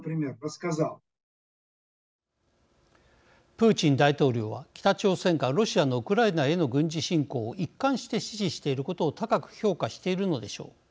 プーチン大統領は北朝鮮がロシアのウクライナへの軍事侵攻を一貫して支持していることを高く評価しているのでしょう。